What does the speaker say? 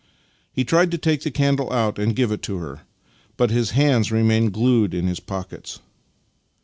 He tried to take the candle out and give it to her, but his hands remained glued in his pockets.